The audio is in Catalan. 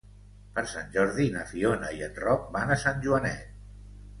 Per Sant Jordi na Fiona i en Roc van a Sant Joanet.